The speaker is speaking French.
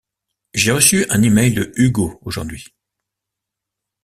J’ai reçu un email de Hugo aujourd’hui.